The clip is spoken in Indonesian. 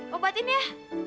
bapak atin ya